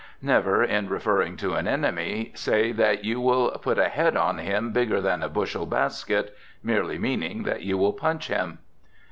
Never, in referring to an enemy, say that you will "put a head on him bigger than a bushel basket," merely meaning that you will punch him.